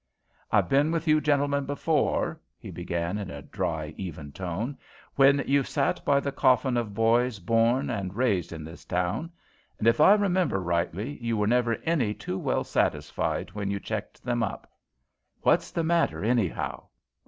"I've been with you gentlemen before," he began in a dry, even tone, "when you've sat by the coffins of boys born and raised in this town; and, if I remember rightly, you were never any too well satisfied when you checked them up. What's the matter, anyhow?